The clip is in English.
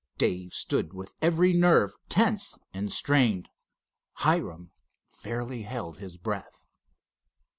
Dave stood with every nerve tense and strained. Hiram fairly held his breath.